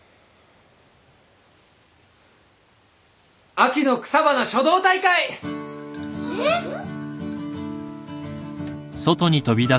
・秋の草花書道大会！えっ？はっ？